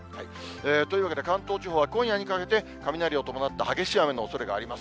というわけで、関東地方は今夜にかけて、雷を伴った激しい雨のおそれがあります。